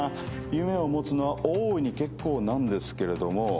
夢を持つのは大いに結構なんですけれども。